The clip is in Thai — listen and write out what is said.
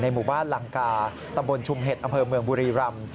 หมู่บ้านลังกาตำบลชุมเห็ดอำเภอเมืองบุรีรำ